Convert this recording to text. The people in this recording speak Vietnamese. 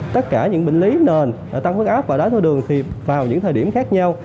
tất cả những bệnh lý nền tăng phức áp và đáy thuốc đường thì vào những thời điểm khác nhau